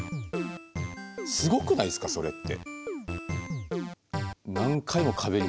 すごくないですかそれって。